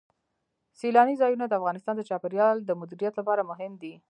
سیلانی ځایونه د افغانستان د چاپیریال د مدیریت لپاره مهم دي.